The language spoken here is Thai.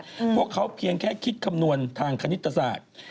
เพราะเขาเพียงแค่คิดคำนวณทางคณิตศาสตร์